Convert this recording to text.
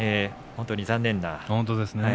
本当に残念です。